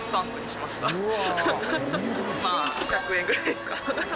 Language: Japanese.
まあ１００円ぐらいですか。